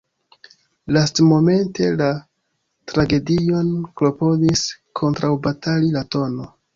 Lastmomente la tragedion klopodis kontraŭbatali la tn.